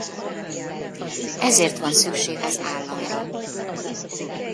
Ezért van szükség az államra.